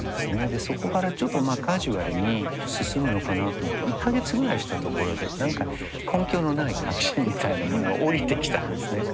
そこからちょっとカジュアルに進むのかなと思って１か月ぐらいしたところで何か根拠のない確信みたいなものがおりてきたんですね。